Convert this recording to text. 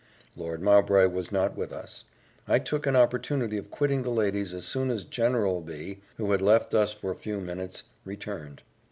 Lord Mowbray was not with us. I took an opportunity of quitting the ladies as soon as general B , who had left us for a few minutes, returned.